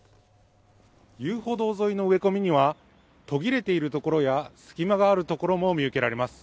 遊歩道沿いの植え込みには途切れているところや隙間があるところも見受けられます。